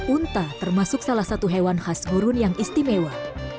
unta termasuk salah satu hewan khas gurun yang istimewa